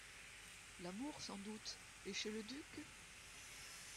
L’amour sans doute. — Et chez le duc?